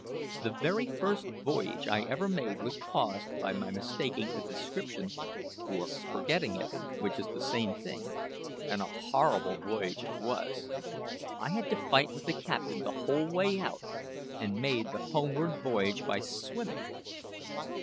The very first voyage I ever made was caused by my mistaking a description or forgetting it, which is the same thing. And a horrible voyage it was. I had to fight with the captain the whole way out, and made the homeward voyage by swimming!"